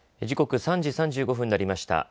時刻、３時３５分になりました。